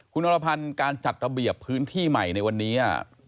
คุณอรพันธ์การจัดระเบียบพื้นที่ใหม่ในวันนี้